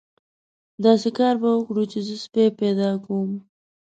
داسې کار به وکړو چې زه سپی پیدا کوم.